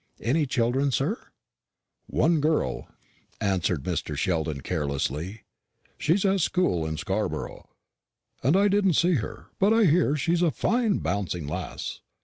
"Any children, sir?" "One girl," answered Mr. Sheldon carelessly. "She's at school in Scarborough, and I didn't see her; but I hear she's a fine bouncing lass.